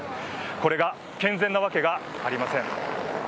これが健全なわけがありません。